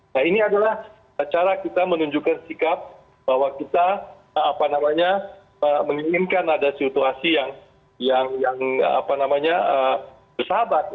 nah ini adalah cara kita menunjukkan sikap bahwa kita menginginkan ada situasi yang bersahabat